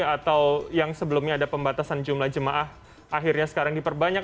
atau yang sebelumnya ada pembatasan jumlah jemaah akhirnya sekarang diperbanyak